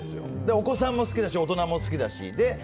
お子さんも好きだし大人も好きだし。